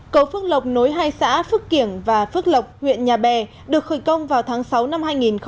cầu phước lộc nối hai xã phước kiển và phước lộc huyện nhà bè được khởi công vào tháng sáu năm hai nghìn một mươi bảy